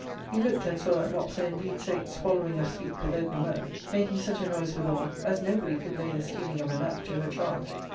He looked and saw that Mopsa indeed sate swallowing of sleep with open mouth, making such a noise withal as nobody could lay the stealing of a nap to her charge.